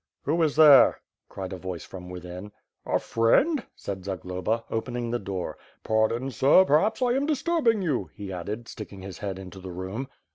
"Who is there?" cried a voice from within. "A friend," said Zagloba, opening the door. "Pardon, sir, perhaps I am disturbing you?" he added, sticking his head into the room.